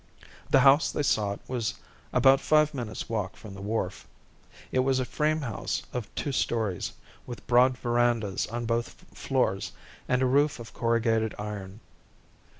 The house they sought was about five minutes' walk from the wharf. It was a frame house of two storeys, with broad verandahs on both floors and a roof of corrugated iron.